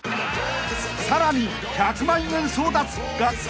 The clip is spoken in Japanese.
［さらに１００万円争奪学校